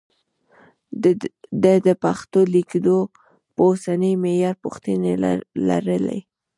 ده د پښتو لیکدود پر اوسني معیار پوښتنې لرلې.